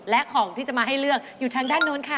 และของที่จะมาให้เลือกอยู่ทางด้านโน้นค่ะ